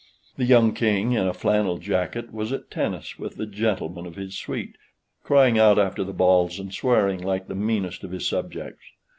The young king, in a flannel jacket, was at tennis with the gentlemen of his suite, crying out after the balls, and swearing like the meanest of his subjects.